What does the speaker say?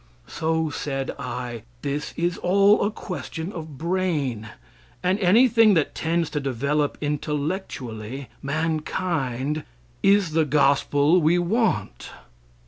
So said I: "This is all a question of brain, and anything that tends to develop, intellectually, mankind, is the gospel we want."